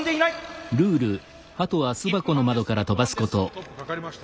ストップかかりました？